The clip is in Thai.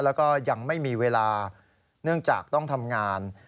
แล้วก็ยังไม่มีเวลาเนื่องจากต้องทำงาน